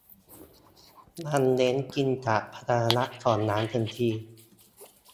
มันเน้นกินจากภาชนะของร้านทันที